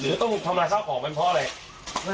หรือต้องทำลายช่องของเป็นเพราะอะไร